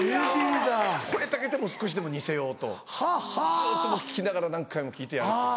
声だけでも少しでも似せようとずっともう聞きながら何回も聞いてやるという。